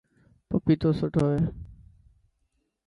پپيتو سٺو هي.